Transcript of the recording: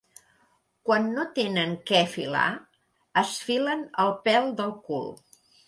Quan no tenen què filar, es filen el pèl del cul.